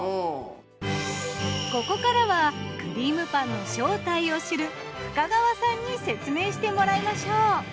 ここからはくりーむパンの正体を知る深川さんに説明してもらいましょう。